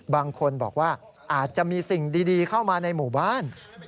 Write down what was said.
บางคนบอกว่าอาจจะมีสิ่งดีเข้ามาในหมู่บ้าน